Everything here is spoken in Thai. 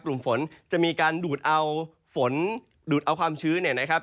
กลุ่มฝนจะมีการดูดเอาฝนดูดเอาความชื้นเนี่ยนะครับ